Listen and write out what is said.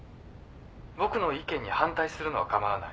☎僕の意見に反対するのはかまわない。